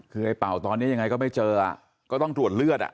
คือไอ้เป่าตอนนี้ยังไงก็ไม่เจอก็ต้องตรวจเลือดอ่ะ